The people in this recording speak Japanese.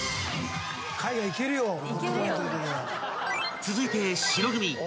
［続いて白組。